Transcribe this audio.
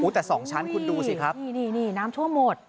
แต่๒ชั้นคุณดูสิครับนี่น้ำท่วมหมด